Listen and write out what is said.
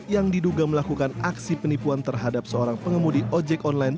yang diduga melakukan aksi penipuan terhadap seorang pengemudi ojek online